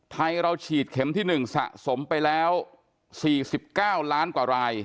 ไทยเราฉีดเข็มที่๑สะสมไปแล้ว๔๙ล้านกว่าราย